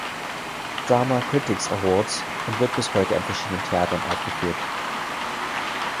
Drama Critics Awards“ und wird bis heute an verschiedenen Theatern aufgeführt.